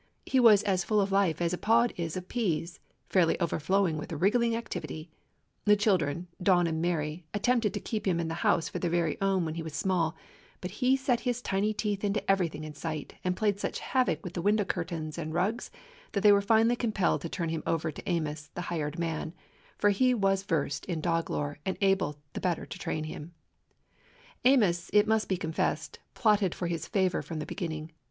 He was as full of life as a pod is of peas, fairly overflowing with wriggling activity. The children, Don and Mary, at tempted to keep him in the house for their very own when he was small, but he set his tiny teeth into everything in sight and played such havoc with the window curtains and rugs that they were finally compelled to turn him over to Amos, the hired man; for he was versed in dog lore, and able the better to train him. 285 DOG HEROES OF MANY LANDS Amos, it must be confessed, plotted for his favor from the beginning.